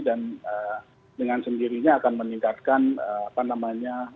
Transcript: dan dengan sendirinya akan meningkatkan apa namanya